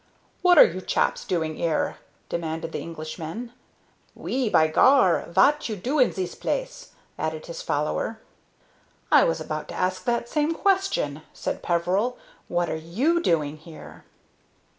"What are you chaps doing 'ere?" demanded the Englishman. "Oui. By gar! vat you do in zis place?" added his follower. "I was about to ask that same question," said Peveril. "What are you doing here?"